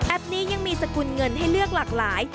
นี้ยังมีสกุลเงินให้เลือกหลากหลาย